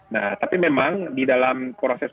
nah tapi memang di dalam proses